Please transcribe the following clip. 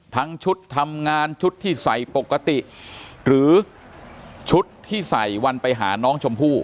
ทั้งชุดทำงานชุดที่ใส่ปกติหรือชุดที่ใส่วันไปหาน้องชมพู่